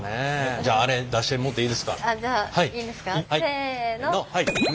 じゃああれ出してもうてええですか。